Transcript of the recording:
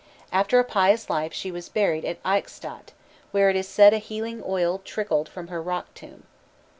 After a pious life she was buried at Eichstatt, where it is said a healing oil trickled from her rock tomb.